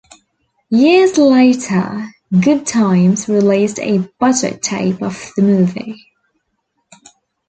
Years later, Goodtimes released a budget tape of the movie.